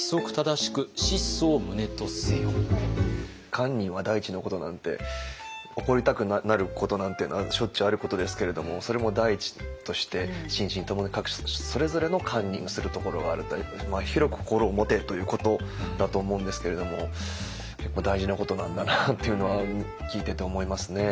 「堪忍は第一のこと」なんて怒りたくなることなんていうのはしょっちゅうあることですけれどもそれも第一として心身ともに各種それぞれの堪忍をするところがあるという広く心を持てということだと思うんですけれども結構大事なことなんだなっていうのは聞いてて思いますね。